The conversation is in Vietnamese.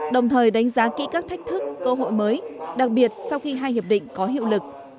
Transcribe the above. đồng thời đánh giá kỹ các thách thức cơ hội mới đặc biệt sau khi hai hiệp định có hiệu lực